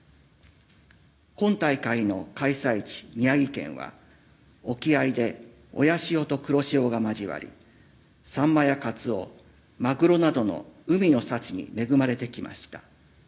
今大会の開催地宮城県は沖合で親潮と黒潮が交わりサンマやカツオ、マグロなどの海の幸に恵まれてきました。